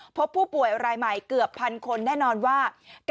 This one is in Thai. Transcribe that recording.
พบผู้ป่วยรายใหม่เกือบพันคนแน่นอนว่า